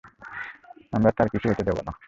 আমরা তার কিছু হতে দেব না।